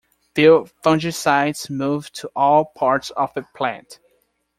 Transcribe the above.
Few fungicides move to all parts of a plant.